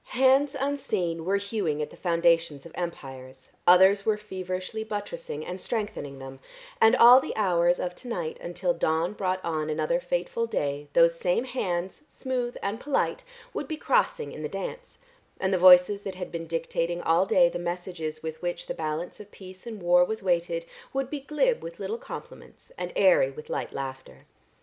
Hands unseen were hewing at the foundations of empires, others were feverishly buttressing and strengthening them, and all the hours of to night until dawn brought on another fateful day, those same hands, smooth and polite, would be crossing in the dance, and the voices that had been dictating all day the messages with which the balance of peace and war was weighted, would be glib with little compliments and airy with light laughter.